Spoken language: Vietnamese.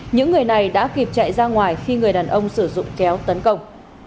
những người này đã kịp chạy ra ngoài khi người đàn ông sử dụng kéo tấn công